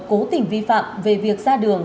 cố tình vi phạm về việc ra đường